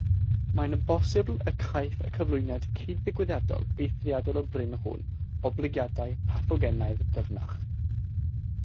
Mae'n bosibl y caiff y cyflwyniad cyd-ddigwyddiadol eithriadol o brin hwn oblygiadau pathogenaidd dyfnach.